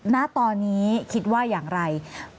ณตอนนี้คิดว่าอย่างไร